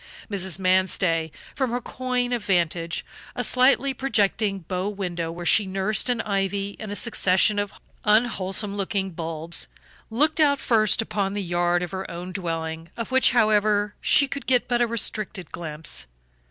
Mrs. Manstey, from her coign of vantage (a slightly projecting bow window where she nursed an ivy and a succession of unwholesome looking bulbs), looked out first upon the yard of her own dwelling, of which, however, she could get but a restricted glimpse.